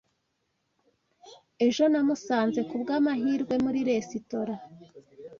Ejo namusanze kubwamahirwe muri resitora.